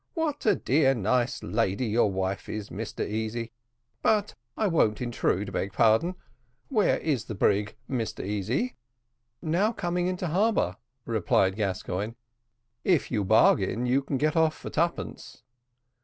What a dear, nice lady your wife is, Mr Easy but I won't intrude I beg pardon. Where is the brig, Mr Easy?" "Now coming into the harbour," replied Gascoigne: "if you bargain you can get off for twopence."